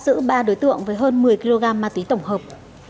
công an tỉnh quảng bình triệt xóa vào cuối tháng một năm hai nghìn hai mươi bốn